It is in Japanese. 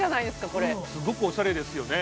これすごくオシャレですよね